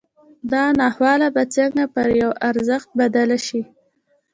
دا ناخواله به څنګه پر یوه ارزښت بدله شي